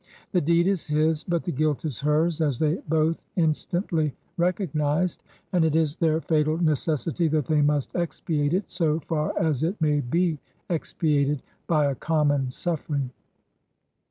The deed is his, but the guilt is hers, as they both instantly recognized ; and it is their fatal necessity that they must expiate it, so far as it may be expiated, by a common sufiFering.